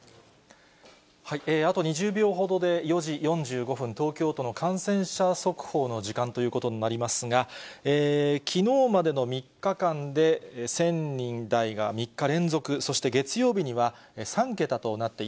あと２０秒ほどで４時４５分、東京都の感染者速報の時間ということになりますが、きのうまでの３日間で１０００人台が３日連続、そして月曜日には３桁となってい